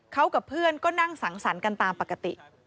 เขากับเพื่อนก็นั่งสังสรรค์กันตามปกติ